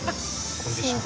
コンディションは？